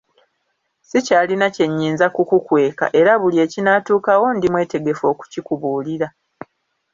Sikyalina kye nnyinza kukukweka era buli ekinaatuukawo ndi mwetegefu okukikubuulira.